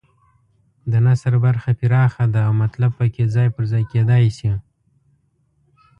د نثر برخه پراخه ده او مطلب پکې ځای پر ځای کېدای شي.